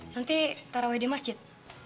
nanti tarawih di masjid